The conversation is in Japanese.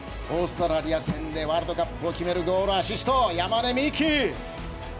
オーストラリア戦でワールドカップを決めるゴールをアシスト、山根視来。